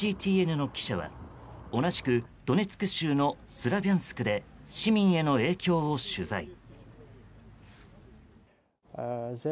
ＣＧＴＮの記者は同じくドネツク州のスラビャンスクで市民への影響を取材。